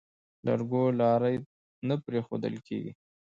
لرګو لارۍ نه پرېښوول کېږي.